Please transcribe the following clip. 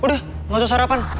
udah mau susah sarapan